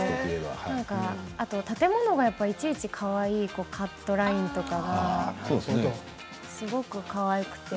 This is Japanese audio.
あと建物がいちいちかわいいとかカットラインとかすごくかわいくて。